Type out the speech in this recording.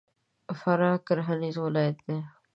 فراه کرهنیز ولایت دی.